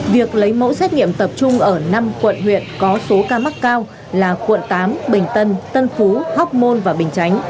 việc lấy mẫu xét nghiệm tập trung ở năm quận huyện có số ca mắc cao là quận tám bình tân tân phú hóc môn và bình chánh